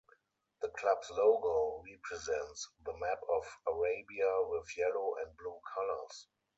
The club's logo represents the map of Arabia with yellow and blue colors.